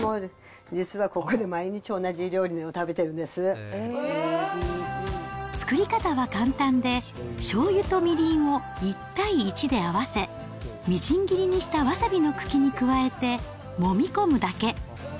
私も実はここで毎日同じ料理を食作り方は簡単で、しょうゆとみりんを１対１で合わせ、みじん切りにしたわさびの茎に加えてもみ込むだけ。